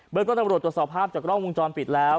ต้นตำรวจตรวจสอบภาพจากกล้องวงจรปิดแล้ว